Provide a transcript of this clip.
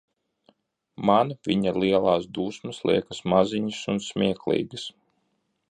Man viņa lielās dusmas liekas maziņas un smieklīgas.